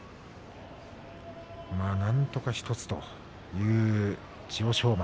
なんとか１つという千代翔馬。